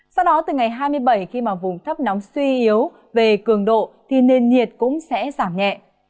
sau đó từ ngày hai mươi bảy khi mà vùng thấp nóng suy yếu về cường độ thì nền nhiệt cũng sẽ giảm nhẹ